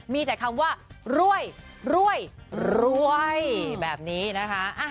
มีแต่คำว่ารวยรวยรวยแบบนี้นะคะ